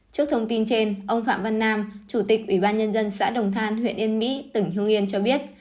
trước thông tin trên ông phạm văn nam chủ tịch ủy ban nhân dân xã đồng than huyện yên mỹ tỉnh hương yên cho biết